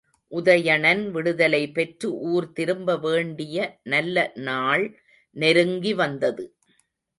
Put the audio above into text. உதயணன் விடுதலை பெற்று ஊர் திரும்ப வேண்டிய நல்ல நாள் நெருங்கி வந்தது.